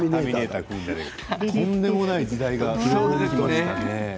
とんでもない時代がきましたね。